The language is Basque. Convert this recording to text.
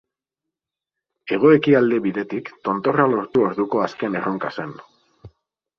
Hego-ekialde bidetik tontorra lortu orduko azken erronka zen.